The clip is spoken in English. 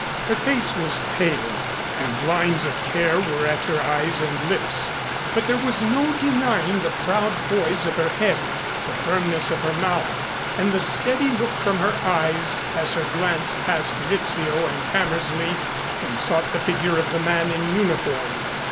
Her face was pale and lines of care were at her eyes and lips, but there was no denying the proud poise of her head, the firmness of her mouth and the steady look from her eyes as her glance passed Rizzio and Hammersley and sought the figure of the man in uniform.